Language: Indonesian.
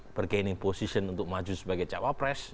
membuat bergaining position untuk maju sebagai capres